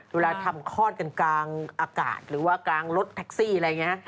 เวลาทำคลอดกันกลางอากาศหรือว่ากลางรถแท็กซี่อะไรอย่างนี้